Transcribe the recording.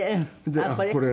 あっこれ？